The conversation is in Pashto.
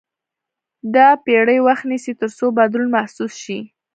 دا پېړۍ وخت نیسي تر څو بدلون محسوس شي.